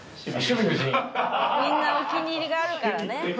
「みんなお気に入りがあるからね」